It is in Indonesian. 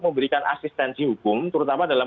memberikan asistensi hukum terutama dalam